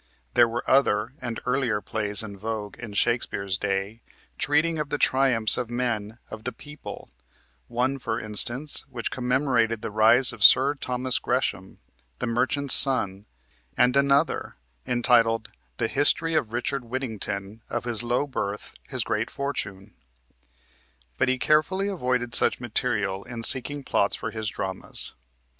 There were other and earlier plays in vogue in Shakespeare's day treating of the triumphs of men of the people, one, for instance, which commemorated the rise of Sir Thomas Gresham, the merchant's son, and another, entitled "The History of Richard Whittington, of his Low Birth, his Great Fortune"; but he carefully avoided such material in seeking plots for his dramas.